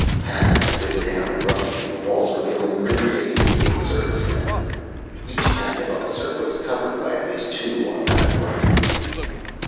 Panels slid down abruptly in the walls, revealing grim faced Secret Servicemen. Each Cabinet officer was covered by at least two automatic rifles.